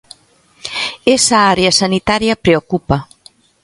Esa área sanitaria preocupa.